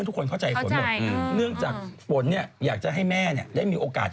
คู่ต่อไปลูกสาวเจ๊งานจมูกกับน็อตวิสรุท